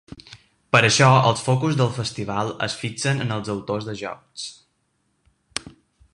Per això els focus del festival es fixen en els autors de jocs.